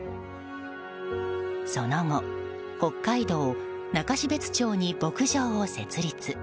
その後、北海道中標津町に牧場を設立。